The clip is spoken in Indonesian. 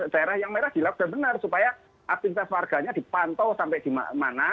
daerah yang merah di lockdown benar supaya aktivitas warganya dipantau sampai di mana